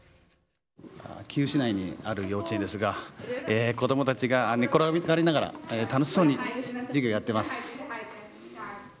キーウ市内にある幼稚園ですが子供たちが寝転がりながら楽しそうに授業をやっています。